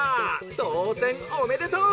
とうせんおめでとう！